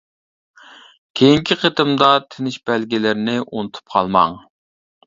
كېيىنكى قېتىمدا تىنىش بەلگىلىرىنى ئۇنتۇپ قالماڭ.